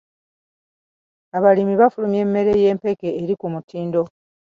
Abalimi bafulumya emmere y'empeke eri ku mutindo.